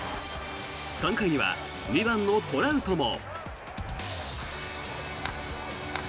３回には２番のトラウトも。